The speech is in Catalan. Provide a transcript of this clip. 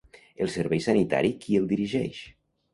El servei sanitari qui el dirigeix?